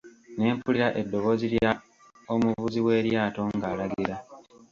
Ne mpulira eddoboozi lya omuvuzi w’eryato ng'alagira.